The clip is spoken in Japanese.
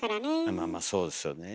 まあまあそうですよね。